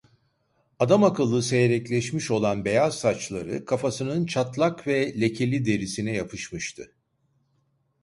Adamakıllı seyrekleşmiş olan beyaz saçları kafasının çatlak ve lekeli derisine yapışmıştı.